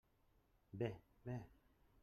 Bé, bé!